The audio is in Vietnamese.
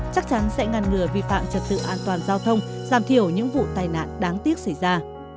chắc chắn sẽ ngăn ngừa vi phạm trật tự an toàn giao thông giảm thiểu những vụ tai nạn đáng tiếc xảy ra